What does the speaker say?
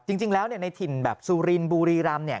จริงแล้วในถิ่นแบบสุรินบุรีรำเนี่ย